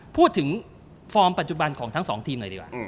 พูดถึงฟอร์มปัจจุบันของทั้ง๒ทีมหน่อยดีว่ะ